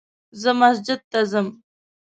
زه مسجد ته ځم